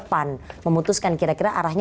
pan memutuskan kira kira arahnya